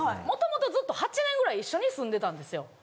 元々ずっと８年ぐらい一緒に住んでたんですよ。